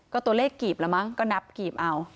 ก็ตัวเลขกีบแล้วมั้งก็นับกีบเอา